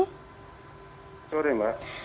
selamat sore mbak